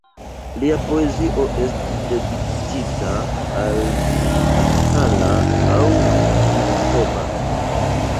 Lia poezio estis dediĉita al Vitthala aŭ Vithoba.